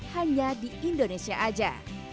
hanya di indonesia aja